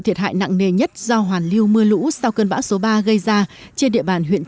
thế hiện nay là giao cho ai cấy